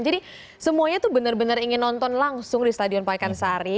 jadi semuanya tuh benar benar ingin nonton langsung di stadion pak ikan sari